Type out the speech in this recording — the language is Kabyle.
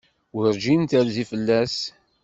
Werjin terzi fell-as.